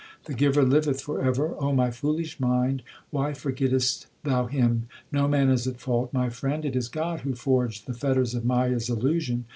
The Giver liveth for ever. O my foolish mind, why forgettest thou Him ? No man is at fault, my friend ; It is God who forged the fetters of Maya s illusion.